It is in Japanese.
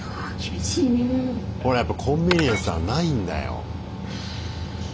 ほらやっぱコンビニエンスはないんだよ。